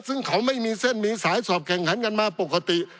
ซึ่งเขาไม่มีเส้นมีสายสอบแข่งขันกันมาปกติ